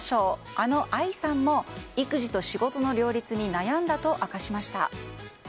あのＡＩさんも育児と仕事の両立に悩んだと明かしました。